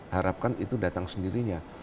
harapkan itu datang sendirinya